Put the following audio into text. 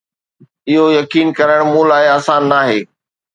اهو يقين ڪرڻ مون لاء آسان ناهي